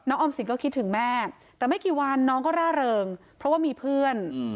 ออมสินก็คิดถึงแม่แต่ไม่กี่วันน้องก็ร่าเริงเพราะว่ามีเพื่อน